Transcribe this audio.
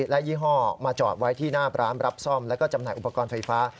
และยี่ห้อมาจอดไว้ที่หน้าร้านรับซ่อมแล้วก็จำหน่ายอุปกรณ์ไฟฟ้า